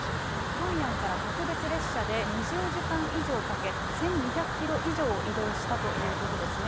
ピョンヤンから特別列車で２０時間以上かけ、１２００キロ以上を移動したということですね。